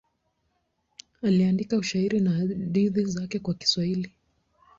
Aliandika ushairi na hadithi zake kwa Kiswahili.